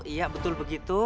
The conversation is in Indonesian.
iya betul begitu